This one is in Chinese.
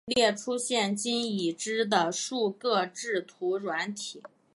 列出现今已知的数个制图软体